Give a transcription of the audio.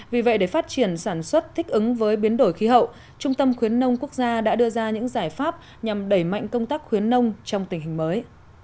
vì vậy để phát triển sản xuất thích ứng với biến đổi khí hậu trung tâm khuyến nông quốc gia đã đưa ra những giải pháp nhằm đẩy mạnh công tác khuyến nông trong tình hình mới